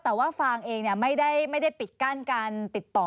แต่ว่าฟางเองไม่ได้ปิดกั้นการติดต่อ